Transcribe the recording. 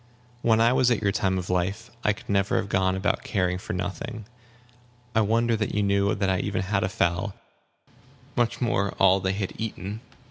When I was at your time of life, I could never have gone about caring for nothing. I wonder that you knew that I even had a fowl; much more how much they had eaten!"